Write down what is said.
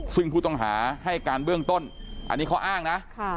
ซึ่งผู้ต้องหาให้การเบื้องต้นอันนี้เขาอ้างนะ